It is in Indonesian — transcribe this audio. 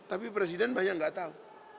tapi presiden banyak nggak tahu